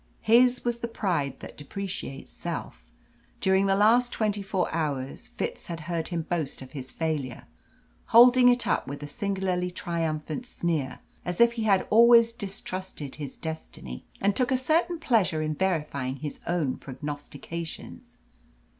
His was the pride that depreciates self. During the last twenty four hours Fitz had heard him boast of his failure, holding it up with a singularly triumphant sneer, as if he had always distrusted his destiny and took a certain pleasure in verifying his own prognostications.